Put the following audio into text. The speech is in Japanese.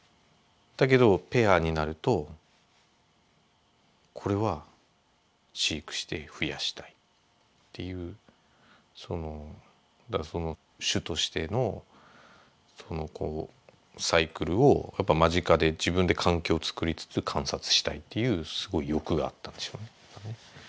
だけどペアになるとこれは飼育してふやしたいっていうだからその種としてのそのこうサイクルをやっぱ間近で自分で環境つくりつつ観察したいっていうすごい欲があったんでしょうね。